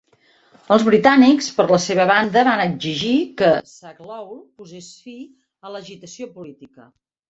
Els britànics, per la seva banda, van exigir que Zaghloul posés fi a l'agitació política.